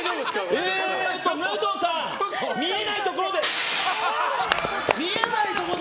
えーっと、ムートンさん見えないところで。